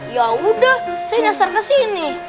ya udah saya nyasar kesini